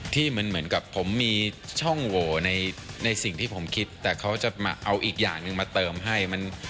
ที่เหมือนกับผมมีช่องโหวในสิ่งที่ผมคิดแต่เขาจะมาเอาอีกอย่างหนึ่งมาเติมให้มัน